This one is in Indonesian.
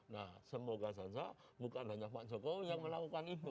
nah semoga saja bukan hanya pak jokowi yang melakukan itu